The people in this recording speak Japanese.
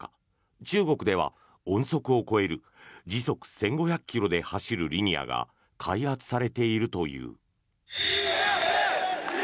中国では音速を超える時速１５００ｋｍで走るリニアが開発されているという。